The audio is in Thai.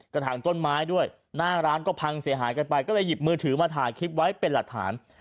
ถางต้นไม้ด้วยหน้าร้านก็พังเสียหายกันไปก็เลยหยิบมือถือมาถ่ายคลิปไว้เป็นหลักฐาน